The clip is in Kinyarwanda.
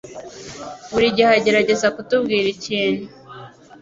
Buri gihe agerageza kutubwira ikintu.